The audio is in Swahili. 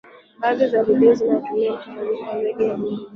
baadhi ya redio zinatumia mchanganyiko wa zaidi ya muundo mmoja